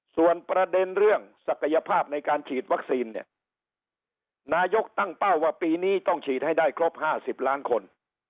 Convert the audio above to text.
ส่วนประเด็นเรื่องศักยภาพในการฉีดวัคซีนเนี่ยนายกตั้งเป้าว่าปีนี้ต้องฉีดให้ได้ครบ๕๐ล้านคน